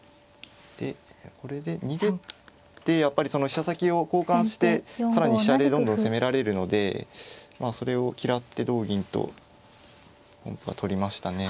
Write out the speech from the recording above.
でこれで逃げてやっぱりその飛車先を交換して更に飛車でどんどん攻められるのでまあそれを嫌って同銀と本譜は取りましたね。